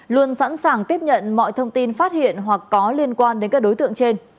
luôn sẵn sàng tiếp nhận mọi thông tin phát hiện hoặc có liên quan đến các đối tượng trên